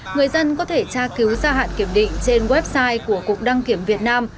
người dân có thể tra cứu gia hạn kiểm định trên website của cục đăng kiểm việt nam